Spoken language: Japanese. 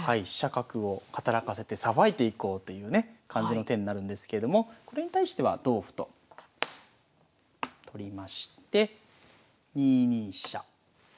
飛車角を働かせてさばいていこうというね感じの手になるんですけれどもこれに対しては同歩と取りまして２二飛車。